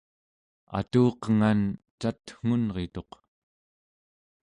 atuqengan catngunrituq